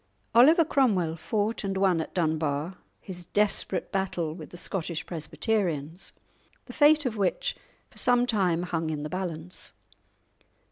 Oliver Cromwell fought and won at Dunbar his desperate battle with the Scottish Presbyterians, the fate of which for some time hung in the balance.